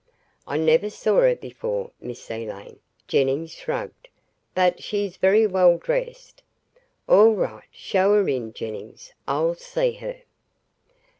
"I never saw her before, Miss Elaine," Jennings shrugged. "But she is very well dressed." "All right, show her in, Jennings. I'll see her."